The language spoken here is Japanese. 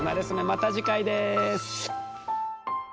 また次回です。